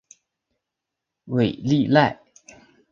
韦利内。